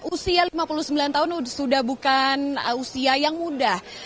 usia lima puluh sembilan tahun sudah bukan usia yang muda